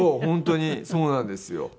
本当にそうなんですよ。